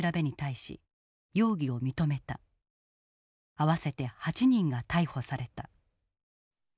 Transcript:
合わせて８人が逮捕された。